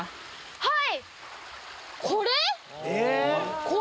はい。